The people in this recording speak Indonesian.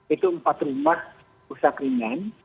itu empat rumah rusak ringan